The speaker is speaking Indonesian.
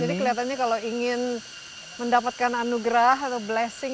jadi kelihatannya kalau ingin mendapatkan anugerah atau blessing